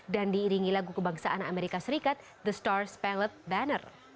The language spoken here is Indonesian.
dan diiringi lagu kebangsaan amerika serikat the star spelled banner